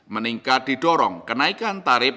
meningkat didorong kenaikan tarif